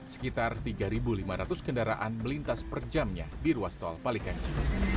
sekitar tiga lima ratus kendaraan melintas per jamnya di ruas tol palikanci